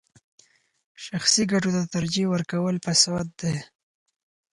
شخصي ګټو ته ترجیح ورکول فساد دی.